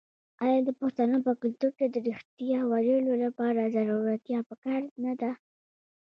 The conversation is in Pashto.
آیا د پښتنو په کلتور کې د ریښتیا ویلو لپاره زړورتیا پکار نه ده؟